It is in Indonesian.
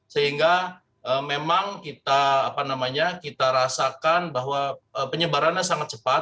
sehingga memang kita rasakan bahwa penyebarannya sangat cepat